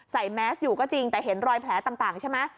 แมสอยู่ก็จริงแต่เห็นรอยแผลต่างใช่ไหม